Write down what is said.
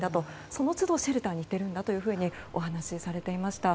その都度シェルターに行っているんだとお話しされていました。